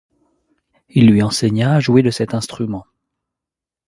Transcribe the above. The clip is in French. Il lui enseigna à jouer de cet instrument.